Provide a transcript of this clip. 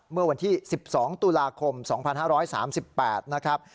เมื่อวันที่๑๒ตุลาคม๒๕๓๘นะครับ